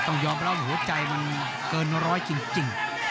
ต้องยอมรับหัวใจมันเกินร้อยจริง